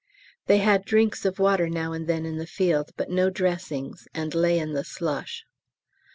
They had drinks of water now and then in the field but no dressings, and lay in the slush.